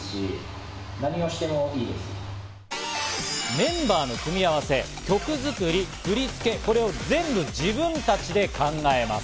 メンバーの組み合わせ、曲作り、振り付け、これを全部自分たちで考えます。